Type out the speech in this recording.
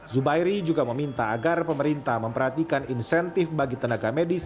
zubairi juga meminta agar pemerintah memperhatikan insentif bagi tenaga medis